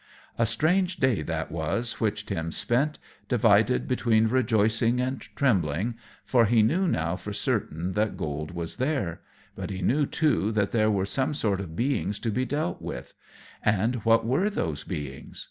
A strange day that was which Tim spent, divided between rejoicing and trembling, for he knew now for certain that gold was there; but he knew, too, that there were some sort of beings to be dealt with; and what were those beings?